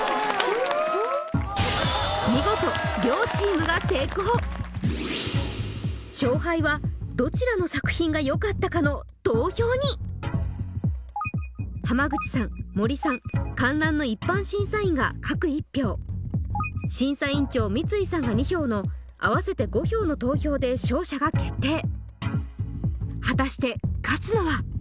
見事勝敗はどちらの作品がよかったかの投票に濱口さん森さん観覧の一般審査員が各１票審査員長三井さんが２票の合わせて５票の投票で勝者が決定果たして勝つのは！？